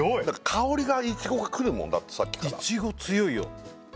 香りがいちごがくるもんだってさっきからいちご強いよ